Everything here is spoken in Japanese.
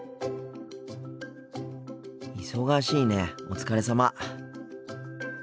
忙しいねお疲れ様。